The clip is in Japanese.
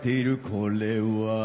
これは。